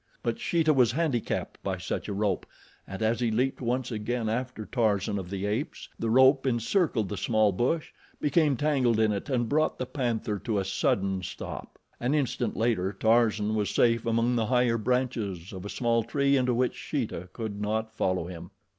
But Sheeta was handicapped by such a rope, and as he leaped once again after Tarzan of the Apes the rope encircled the small bush, became tangled in it and brought the panther to a sudden stop. An instant later Tarzan was safe among the higher branches of a small tree into which Sheeta could not follow him.